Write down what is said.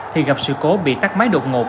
thì gặp sự cố bị tắt máy đột ngột